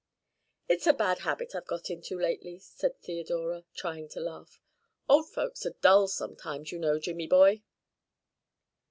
"It's a bad habit I've got into lately," said Theodora, trying to laugh. "Old folks are dull sometimes, you know, Jimmy boy."